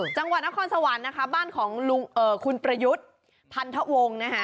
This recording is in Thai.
จังหวัดนครสวรรค์นะคะบ้านของคุณประยุทธ์พันธวงศ์นะคะ